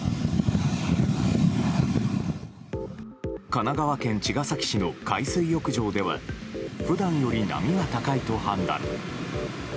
神奈川県茅ヶ崎市の海水浴場では普段より波が高いと判断。